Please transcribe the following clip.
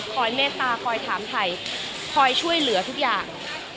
เมตตาคอยถามไทยคอยช่วยเหลือทุกอย่าง